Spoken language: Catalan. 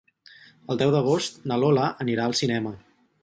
El deu d'agost na Lola anirà al cinema.